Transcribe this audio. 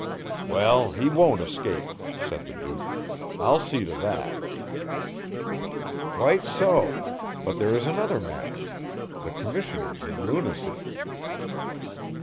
"Well, he won't escape," said the Duke. "I'll see to that." "Quite so, but there is another matter. The Commissioners in Lunacy."